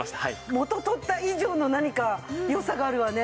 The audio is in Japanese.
元を取った以上の何か良さがあるわね。